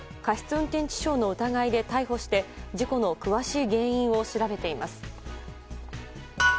運転致傷の疑いで逮捕して事故の詳しい原因を調べています。